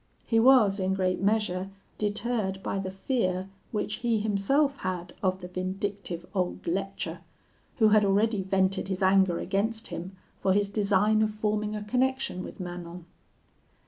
He was, in great measure, deterred by the fear which he himself had of the vindictive old lecher, who had already vented his anger against him for his design of forming a connection with Manon.